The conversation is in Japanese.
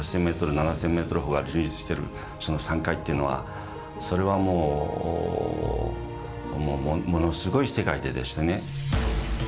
７，０００メートル峰が充実してる山塊っていうのはそれはもうものすごい世界ででしてね。